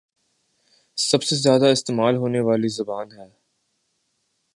سب سے زیادہ استعمال ہونے والی زبان ہے